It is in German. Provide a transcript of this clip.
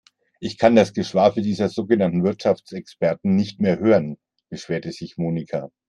Ich kann das Geschwafel dieses sogenannten Wirtschaftsexperten nicht mehr hören, beschwerte sich Monika.